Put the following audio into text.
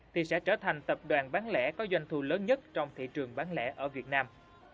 thì sẽ trở thành tập đoàn bán lẻ có doanh thu lớn nhất trong thị trường bán lẻ ở việt nam